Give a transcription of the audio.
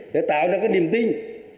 để tạo ra cái niềm tin